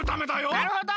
なるほど。